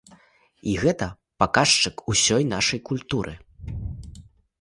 І гэта паказчык усёй нашай культуры.